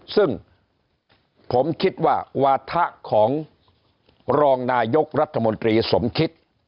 ซึ่งผมคิดว่าวาถะของรองนายกรัฐมนตรีสมคิด